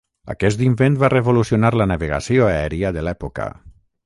Aquest invent va revolucionar la navegació aèria de l'època.